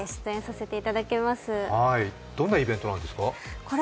どんなイベントですか。